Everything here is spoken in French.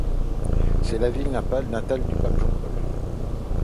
C'est la ville natale du pape Jean-Paul.